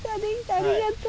ありがとう。